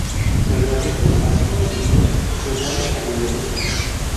El realismo así concebido se opone al idealismo.